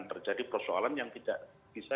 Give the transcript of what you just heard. terjadi persoalan yang tidak bisa